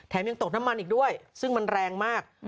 ยังตกน้ำมันอีกด้วยซึ่งมันแรงมาก